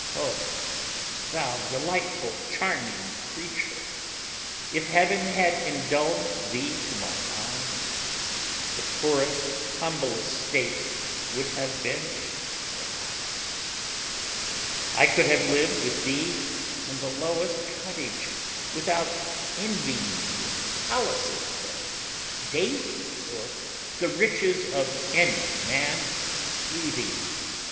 O thou delightful charming creature! if Heaven had indulged thee to my arms, the poorest, humblest state would have been a paradise; I could have lived with thee in the lowest cottage without envying the palaces, the dainties, or the riches of any man breathing.